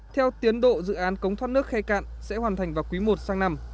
theo tiến độ dự án cống thoát nước khe cạn sẽ hoàn thành vào quý i sang năm